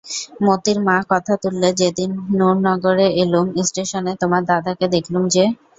মোতির মা কথা তুললে, যেদিন নুরনগরে এলুম, ইস্টিশনে তোমার দাদাকে দেখলুম যে।